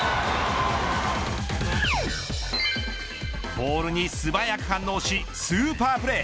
ボールに素早く反応しスーパープレー。